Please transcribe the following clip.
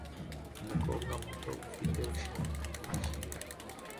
Umukobwa muto ufite ishati yijimye